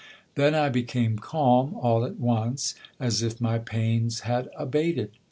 Then I became calm all at once, as if my pains had abated.